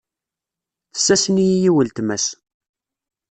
Tessasen-iyi i uletma-s.